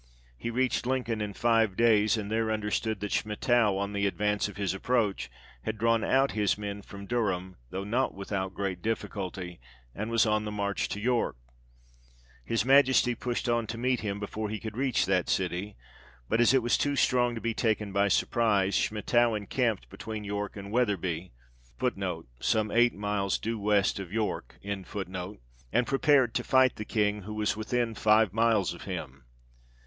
He reached Lincoln in five days ; and there understood that Schmettau, on the advice of his approach, had drawn out his men from Durham, though not without great difficulty, and was on the march to York. His Majesty pushed on to meet him before he could reach that city ; but as it was too strong to be taken by surprise, Schmettau encamped between York and Wetherby, 1 and prepared to fight the King, who was within five miles of him.